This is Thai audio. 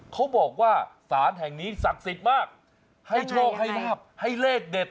เขาบอกว่าสารแห่งนี้ศักดิ์สิทธิ์มากให้โชคให้ลาบให้เลขเด็ด